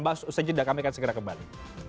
kalau sudah sudah kami akan segera kembali